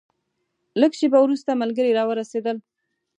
لږه شېبه وروسته ملګري راورسېدل.